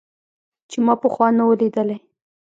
چې ما پخوا نه و ليدلى.